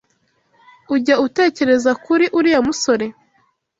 Ujya utekereza kuri uriya musore?